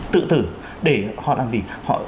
tự tử để họ làm gì